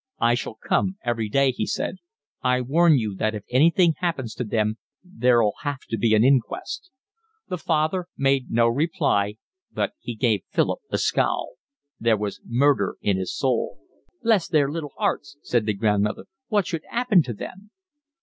"I shall come every day," he said. "I warn you that if anything happens to them there'll have to be an inquest." The father made no reply, but he gave Philip a scowl. There was murder in his soul. "Bless their little 'earts," said the grandmother, "what should 'appen to them?"